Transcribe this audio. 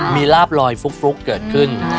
มีลาบลอยฟลุกเกิดขึ้น